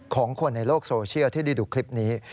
ของคนในโลกโซเชียลที่ได้ดูคลิปนี้